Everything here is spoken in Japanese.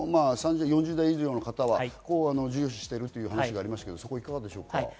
４０代以上の方は重要視しているという話がありましたが、いかがですか？